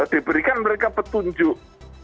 diberikan mereka petunjuk